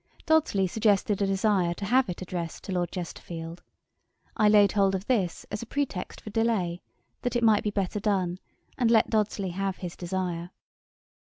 Dodsley suggested a desire to have it addressed to Lord Chesterfield. I laid hold of this as a pretext for delay, that it might be better done, and let Dodsley have his desire.